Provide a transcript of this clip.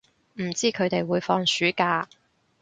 唔知佢哋會放暑假